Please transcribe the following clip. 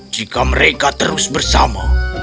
jika mereka terus bersama